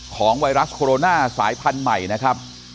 ไวรัสโคโรนาสายพันธุ์ใหม่นะครับ